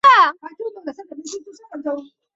圣以诺广场是许多教堂的所在地。